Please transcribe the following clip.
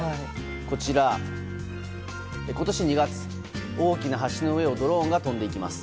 こちら、今年２月大きな橋の上をドローンが飛んでいきます。